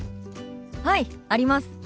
はいあります。